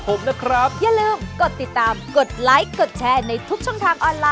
สวัสดีค่ะ